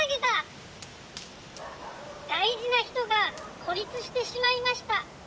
『大事な人が孤立してしまいました。